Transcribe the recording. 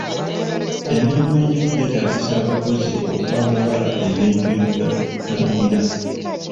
Emirimu egimu gyetaagisa abakozi okwamabala ebintu ebibatangira.